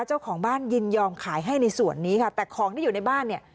เจ้าของบ้านยินยอมขายให้ในส่วนนี้ค่ะแต่ของที่อยู่ในบ้านเนี่ย